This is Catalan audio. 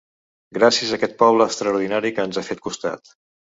Gràcies a aquest poble extraordinari que ens ha fet costat.